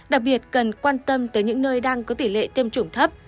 đặc biệt cần quan tâm tới những nơi đang có tỷ lệ tiêm chủng thấp